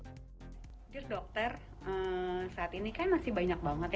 jadi dokter saat ini kan masih banyak banget ya